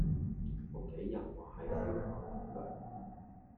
屋企人話係消化不良